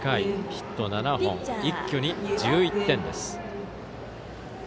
ヒット７本、一挙に１１点です。